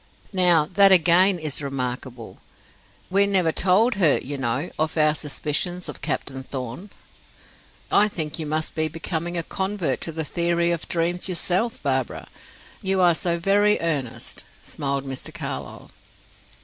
Now, that again is remarkable. We never told her, you know, of our suspicions of Captain Thorn." "I think you must be becoming a convert to the theory of dreams yourself, Barbara; you are so very earnest," smiled Mr. Carlyle.